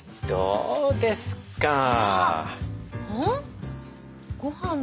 どうですか？